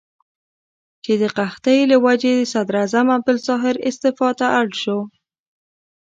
چې د قحطۍ له وجې صدراعظم عبدالظاهر استعفا ته اړ شو.